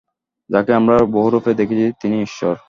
যাঁকে আমরা বহুরূপে দেখছি, তিনিই ঈশ্বর।